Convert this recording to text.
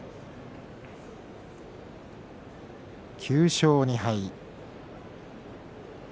９勝２敗。